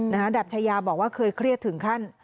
ดาบชายาบอกว่าเคยเครียดถึงขั้น